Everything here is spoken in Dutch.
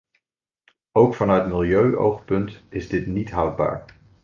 Ook vanuit milieuoogpunt is dit niet houdbaar.